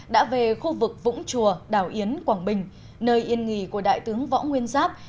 đã về khu vực vũng chùa đảo yến quảng bình nơi yên nghỉ của đại tướng võ nguyên giáp